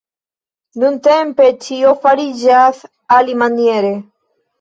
Nuntempe ĉio fariĝas alimaniere.